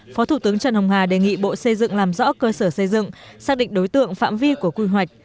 phó thủ tướng trần hồng hà đề nghị bộ xây dựng làm rõ cơ sở xây dựng xác định đối tượng phạm vi của quy hoạch